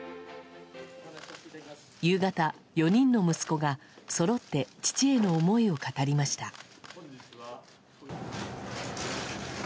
夕方、４人の息子がそろって父への思いを語りました。